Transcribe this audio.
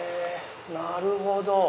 なるほど。